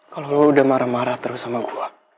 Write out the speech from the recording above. kalau lo udah marah marah terus sama gue